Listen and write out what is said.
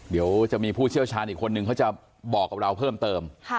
เดี๋ยวจะมีผู้เชี่ยวชาญอีกคนนึงเขาจะบอกกับเราเพิ่มเติม